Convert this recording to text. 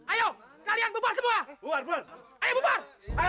ayah kamu bubar